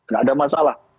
gak ada masalah